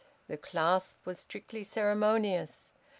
The clasp was strictly ceremonious.